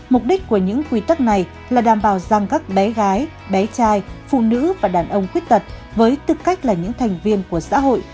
mục đích của những quy tắc này là đảm bảo rằng các bé gái bé trai phụ nữ và đàn ông khuyết tật với tư cách là những thành viên của xã hội